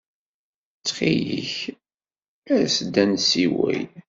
Ttxil-k, as-d ad nessiwel.